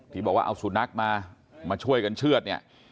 ที่บอกว่าเอาสุนัขมาช่วยกันเชื่อด